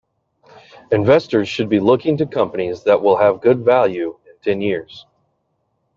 Investors should be looking to companies that will have good value in ten years.